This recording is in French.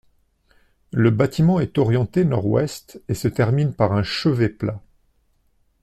Le bâtiment est orienté nord-ouest et se termine par un chevet plat.